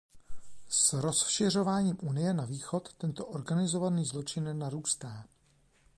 S rozšiřováním Unie na východ tento organizovaný zločin narůstá.